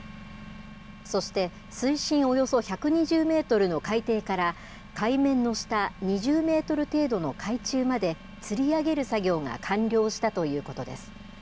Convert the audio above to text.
そして、水深およそ１２０メートルの海底から、海面の下２０メートル程度の海中までつり上げる作業が完了したということです。